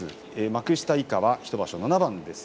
幕下以下、１場所７番です。